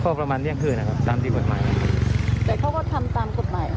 ก็ประมาณเที่ยงคืนนะครับตามที่กดใหม่แต่เขาก็ทำตามกดใหม่